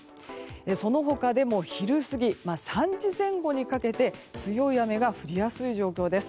その他でも昼過ぎ、３時前後にかけて強い雨が降りやすい状況です。